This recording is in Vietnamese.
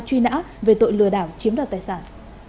truy nã về tội lừa đảo chiếm đoạt tài sản